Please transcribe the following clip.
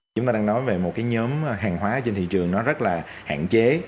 chúng ta đang nói về một cái nhóm hàng hóa trên thị trường nó rất là hạn chế